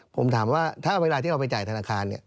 ผมถามว่าถ้าเวลาที่เราไปจ่ายธนาคาร